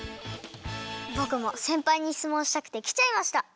ぼくもせんぱいにしつもんしたくてきちゃいました！